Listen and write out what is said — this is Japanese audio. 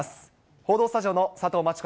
報道スタジオの佐藤真知子